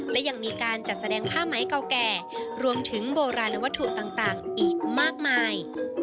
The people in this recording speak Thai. และยังมีการจัดแสดงผ้าไหมเก่าแก่รวมถึงโบราณวัตถุต่างอีกมากมาย